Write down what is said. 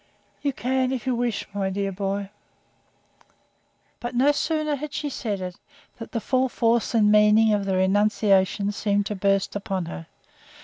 "You can, if you wish, my dear boy." But no sooner had she said it, than the full force and meaning of the renunciation seemed to burst upon her.